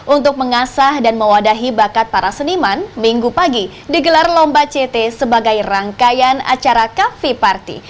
untuk mengasah dan mewadahi bakat para seniman minggu pagi digelar lomba ct sebagai rangkaian acara kafe party